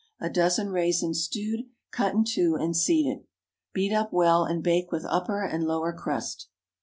A dozen raisins stewed, cut in two and seeded. Beat up well, and bake with upper and lower crust.